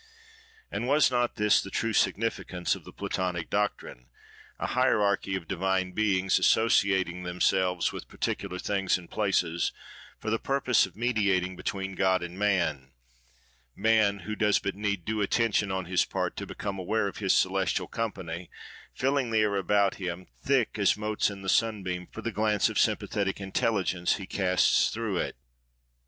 And was not this the true significance of the Platonic doctrine?—a hierarchy of divine beings, associating themselves with particular things and places, for the purpose of mediating between God and man—man, who does but need due attention on his part to become aware of his celestial company, filling the air about him, thick as motes in the sunbeam, for the glance of sympathetic intelligence he casts through it.